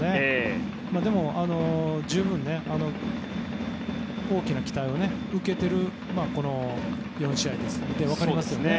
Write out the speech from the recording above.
でも、十分大きな期待を受けているとこの４試合で分かりますよね。